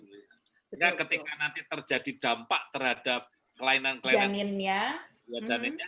karena ketika nanti terjadi dampak terhadap kelainan kelainan janinnya